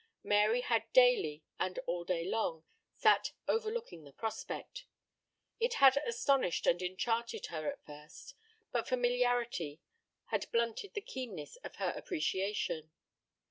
Mary had daily, and all day long, sat overlooking the prospect. It had astonished and enchanted her at first, but familiarity had blunted the keenness of her appreciation.